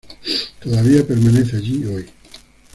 Todavía permanece allí hoy.